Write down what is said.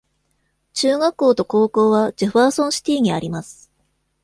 中学校と高校はジェファーソンシティにあります。